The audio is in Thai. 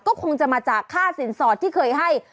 ก็คงจะมาจากค่าสินสอดที่เคยให้